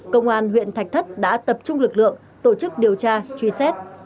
công an huyện thạch thất đã tập trung lực lượng tổ chức điều tra truy xét